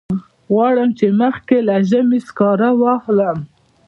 غواړم چې مخکې له ژمي سکاره واخلم.